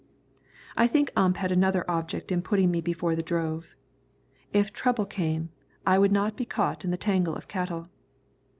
I think Ump had another object in putting me before the drove. If trouble came, I would not be caught in the tangle of cattle.